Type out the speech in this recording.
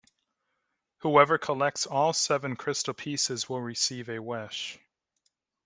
Whoever collects all seven crystal pieces will receive a wish.